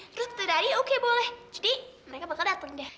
terus tetep daddy ya oke boleh jadi mereka bakal dateng deh